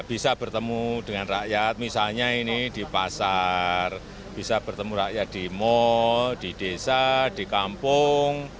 bisa bertemu dengan rakyat misalnya ini di pasar bisa bertemu rakyat di mall di desa di kampung